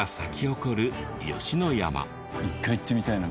一回行ってみたいな。